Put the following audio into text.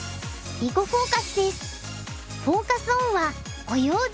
「囲碁フォーカス」です。